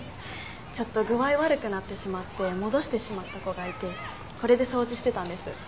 ちょっと具合悪くなってしまってもどしてしまった子がいてこれで掃除してたんです。